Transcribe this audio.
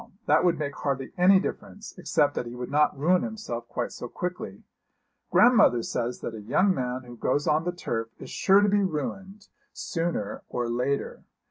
That would make hardly any difference, except that he would not ruin himself quite so quickly. Grandmother says that a young man who goes on the turf is sure to be ruined sooner or later.